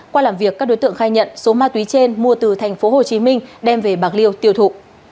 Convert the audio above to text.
qua làm việc các đối tượng khai nhận số ma túy trên mua từ tp hcm đem về bạc liêu tiêu thụ